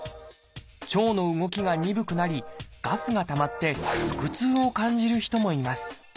腸の動きが鈍くなりガスがたまって腹痛を感じる人もいます。